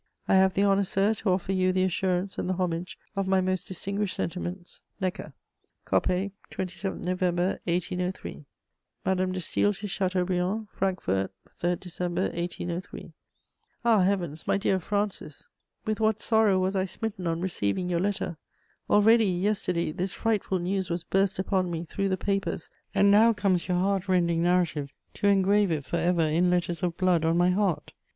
"I have the honour, sir, to offer you the assurance and the homage of my most distinguished sentiments. "NECKER. "Coppet, 27 November 1803." MADAME DE STAËL TO CHATEAUBRIAND. "FRANKFORT, 3 December 1803. "Ah, Heavens, my dear Francis with what sorrow was I smitten on receiving your letter! Already, yesterday, this frightful news was burst upon me through the papers, and now comes your heart rending narrative to engrave it for ever in letters of blood on my heart.